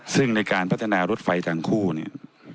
ซึ่งในการพัฒนารถไฟทางคู่เนี่ย